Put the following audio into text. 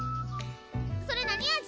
それ何味？